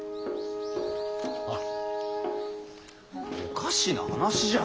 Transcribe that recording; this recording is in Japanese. おかしな話じゃ。